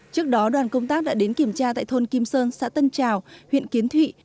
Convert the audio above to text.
trước đó đoàn công tác đã đến kiểm tra tại thôn kim sơn xã tân trào huyện kiến thụy